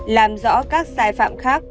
làm rõ các sai phạm khác